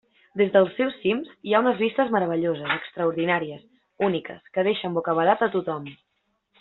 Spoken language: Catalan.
Des dels seus cims hi ha unes vistes meravelloses, extraordinàries, úniques, que deixen bocabadat a tothom.